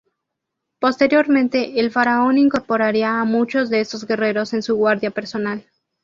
Posteriormente el faraón incorporaría a muchos de estos guerreros en su guardia personal.